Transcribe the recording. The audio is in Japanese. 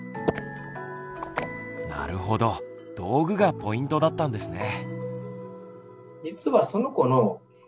なるほど道具がポイントだったんですね。